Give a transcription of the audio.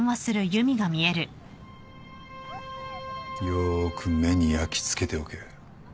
よーく目に焼きつけておけ。